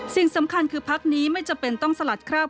สิ่งสำคัญคือพักนี้ไม่จำเป็นต้องสลัดคราบ